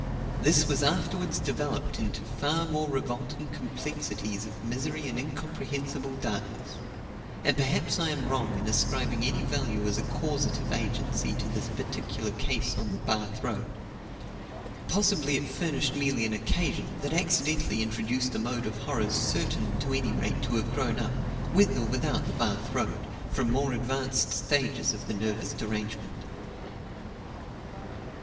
This was afterwards developed into far more revolting complexities of misery and incomprehensible darkness; and perhaps I am wrong in ascribing any value as a causative agency to this particular case on the Bath road possibly it furnished merely an occasion that accidentally introduced a mode of horrors certain, to any rate, to have grown up, with or without the Bath road, from more advanced stages of the nervous derangement.